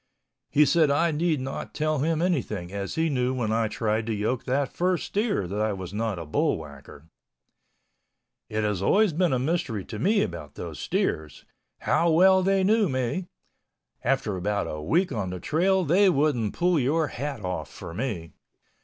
He said I need not tell him anything as he knew when I tried to yoke that first steer that I was not a bullwhacker. It has always been a mystery to me about those steers—how well they knew me—after about a week on the trail they wouldn't pull your hat off for me.